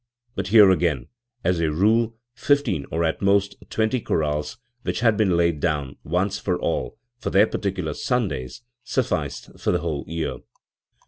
But here again, as a rule, fifteen or at most twenty chorales, which had been laid down, once for all, for their particular Sundays, suf ficed for the whole year.